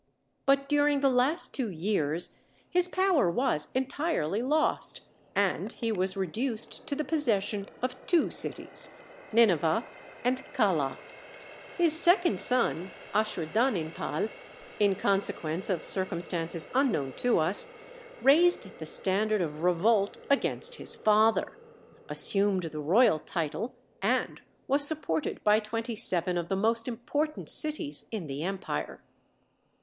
But during the last two years his power was entirely lost, and he was reduced to the possession of two cities, Nineveh and Calah. His second son, Asshurdaninpal, in consequence of circumstances unknown to us, raised the standard of revolt against his father, assumed the royal title, and was supported by twenty seven of the most important cities in the empire.